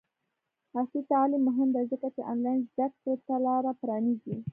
عصري تعلیم مهم دی ځکه چې آنلاین زدکړې ته لاره پرانیزي.